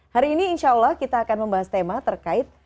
hari ini insya allah kita akan membahas tema terkait